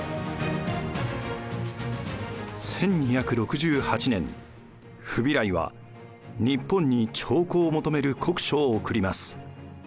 １２６８年フビライは日本に朝貢を求める国書を送ります。